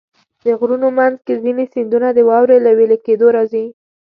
د غرونو منځ کې ځینې سیندونه د واورې له وېلې کېدو راځي.